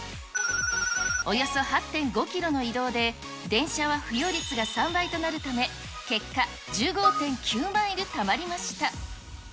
およそ８．５キロの移動で、電車は付与率が３倍となるため、結果、１５．９マイルたまりました。